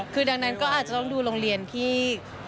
คือดังนั้นก็อาจจะต้องดูโรงเรียนที่